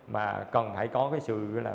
mà cần phải có cái sự là